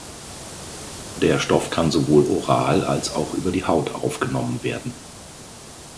Der Stoff kann sowohl oral, als auch über die Haut aufgenommen werden.